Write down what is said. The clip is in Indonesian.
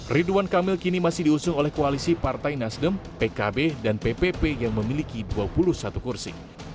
ridwan kamil kini masih diusung oleh koalisi partai nasdem pkb dan ppp yang memiliki dua puluh satu kursi